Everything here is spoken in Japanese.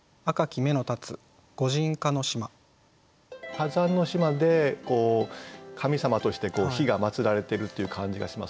火山の島で神様として火がまつられてるっていう感じがしますね。